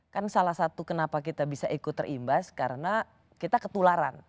kan salah satu kenapa kita bisa ikut terimbas karena kita ketularan